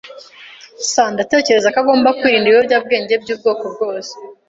[S] Ndatekereza ko agomba kwirinda ibiyobyabwenge by'ubwoko bwose.